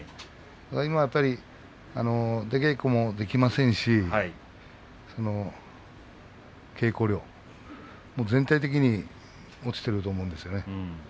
今はやっぱり出稽古もできませんし稽古量、全体的に落ちていると思うんですよね。